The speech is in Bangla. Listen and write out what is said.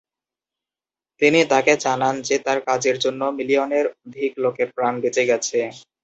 তিনি তাকে জানান যে তার কাজের জন্য মিলিয়নের অধিক লোকের প্রাণ বেঁচে গেছে।